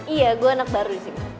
iya gue anak baru disini